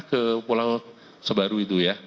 ke pulau sebaru itu ya